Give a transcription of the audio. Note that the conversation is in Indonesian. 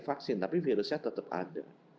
vaksin tapi virusnya tetap ada